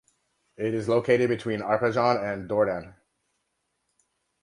It is located between Arpajon and Dourdan.